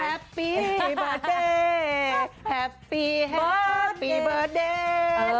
แฮปปี้เบอร์เดย์แฮปปี้เบอร์เดย์